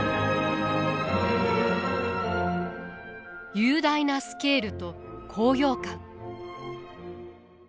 雄大なスケールと高揚感。